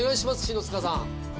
篠塚さん